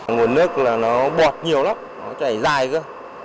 nguồn nước bọt nhiều lắm nó chảy dài cơ